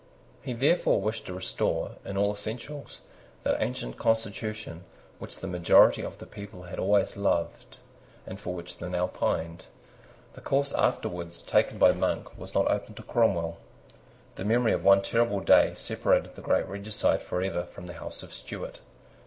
He therefore wished to restore, in all essentials, that ancient constitution which the majority of the people had always loved, and for which they now pined. The course afterwards taken by Monk was not open to Cromwell. The memory of one terrible day separated the great regicide for ever from the House of Stuart.